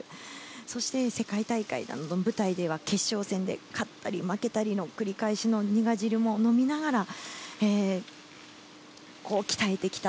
そして世界大会の舞台では決勝戦で勝ったり負けたりの繰り返しの苦汁も飲みながら鍛えてきた。